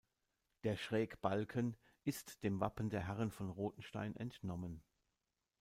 Der Schrägbalken ist dem Wappen der Herren von Rothenstein entnommen.